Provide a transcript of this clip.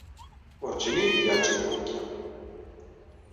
Werǧin i yi-d-yeɛǧib wakka.